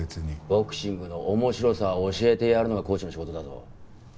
ボクシングの面白さを教えてやるのがコーチの仕事だぞ。